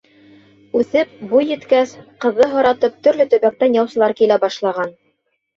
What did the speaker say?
Үҫеп, буй еткәс ҡыҙҙы һоратып төрлө төбәктән яусылар килә башлаған.